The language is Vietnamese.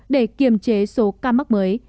để kiềm chế số ca mắc mới